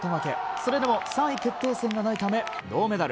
それでも３位決定戦がないため銅メダル。